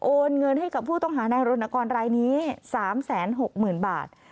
โอนเงินให้ผู้ต้องหานาฬนกรรมรายนี้๓๖๐๐๐๐บาท